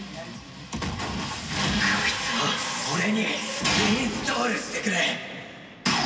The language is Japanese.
「こいつを俺にインストールしてくれ」。